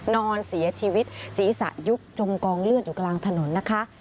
นอนเสียชีวิตศีรษะยุบจมกองเลือดอยู่กลางถนนนะคะ